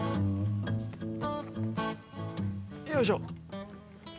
よいしょ。